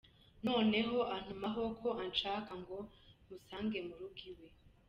Noneho antumaho ko anshaka ngo musange mu rugo iwe.